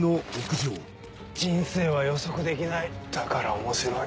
人生は予測できないだから面白い。